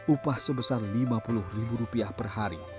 upah sebesar lima puluh ribu rupiah per hari